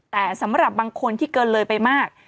แต่สำหรับบางคนที่เกินเลยไปมาก